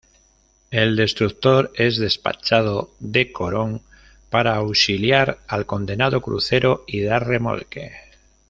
El destructor es despachado de Corón para auxiliar al condenado crucero y dar remolque.